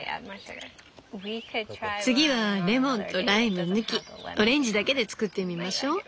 次はレモンとライム抜きオレンジだけで作ってみましょう。